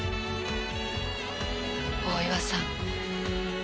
大岩さん。